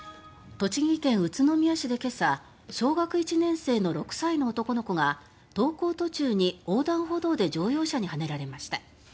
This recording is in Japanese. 栃木県宇都宮市で今朝小学１年生の６歳の男の子が登校途中に横断歩道で乗用車にはねられました。